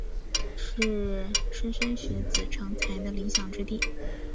是莘莘学子成才的理想之地。